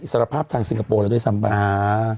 เป็นอิสระภาพทางสิงคโปร์แล้วด้วยซ้ำบ้าง